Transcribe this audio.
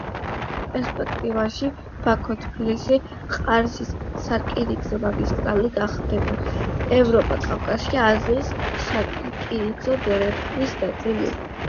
პერსპექტივაში ბაქო-თბილისი-ყარსის სარკინიგზო მაგისტრალი გახდება ევროპა-კავკასია-აზიის სარკინიგზო დერეფნის ნაწილი.